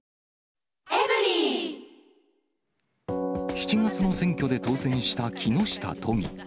７月の選挙で当選した木下都議。